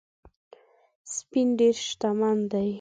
سپین ډېر شتمن دی